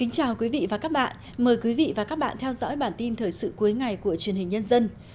chào mừng quý vị đến với bản tin thời sự cuối ngày của truyền hình nhân dân